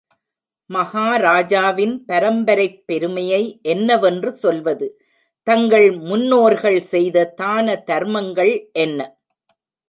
மகாராஜாவின் பரம்பரைப் பெருமையை என்னவென்று சொல்வது தங்கள் முன்னோர்கள் செய்த தான தர்மங்கள் என்ன!